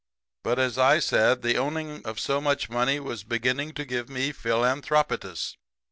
"But, as I said, the owning of so much money was beginning to give me philanthropitis.